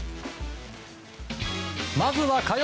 まずは火曜。